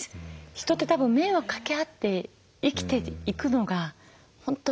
人ってたぶん迷惑かけ合って生きていくのが本当はいいんですよね。